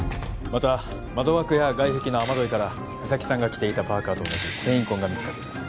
また窓枠や外壁の雨どいから実咲さんが着ていたパーカーと同じ繊維痕が見つかっています